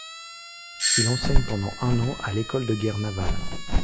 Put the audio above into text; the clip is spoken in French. Il enseigne pendant un an à l'École de guerre navale.